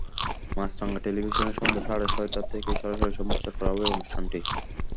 মাছরাঙা টেলিভিশনে সন্ধ্যা সাড়ে ছয়টা থেকে সরাসরি সম্প্রচার করা হবে অনুষ্ঠানটি।